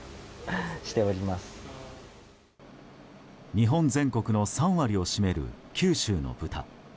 日本全国の３割を占める九州の豚。